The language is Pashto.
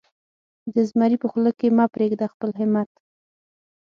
د زمري په خوله کې مه پرېږده خپل همت.